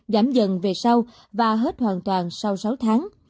giảm dần về sau và hết hoàn toàn sau sáu tháng